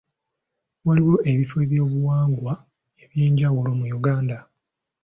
Waliwo ebifo by'ebyobuwangwa ebyenjawulo mu Uganda.